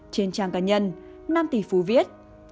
trên trang cá nhân nam tỷ phú viết